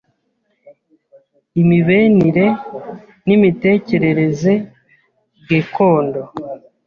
imibenire n’imitekerereze gekondo